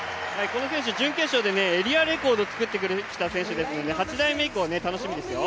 この選手、準決勝でエリアレコード作ってきた選手ですので８台目以降楽しみですよ。